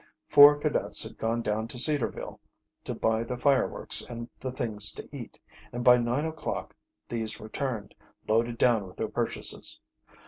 Four cadets had gone down to Cedarville to buy the fireworks and the things to eat, and by nine o'clock these returned, loaded down with their purchases.